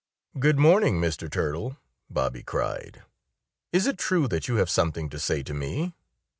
"Good morning, Mr. Turtle!" Bobby cried. "Is it true that you have something to say to me?"